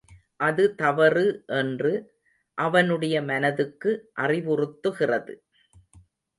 அது தவறு என்று அவனுடைய மனதுக்கு அறிவுறுத்துகிறது.